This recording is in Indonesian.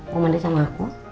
mau mandi sama aku